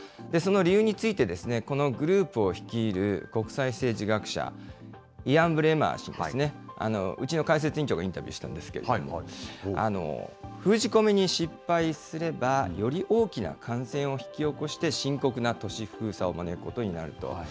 その理由について、このグループを率いる国際政治学者、イアン・ブレマー氏ですね、うちの解説委員長がインタビューしたんですけれども、封じ込めに失敗すれば、より大きな感染を引き起こして、深刻な都市封鎖を招くことになると。